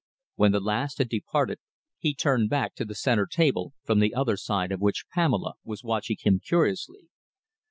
When the last had departed, he turned back to the centre table, from the other side of which Pamela was watching him curiously.